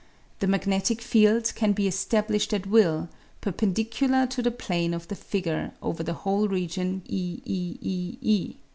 The magnetic field can be established at will perpendicular to the plane of the figure over the whole region E E e e.